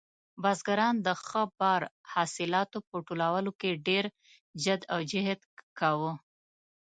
بزګران د ښه بار حاصلاتو په ټولولو کې ډېر جد او جهد کاوه.